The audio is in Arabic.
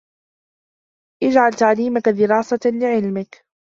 اجْعَلْ تَعْلِيمَك دِرَاسَةً لِعِلْمِك